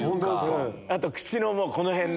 あと口のこの辺ね。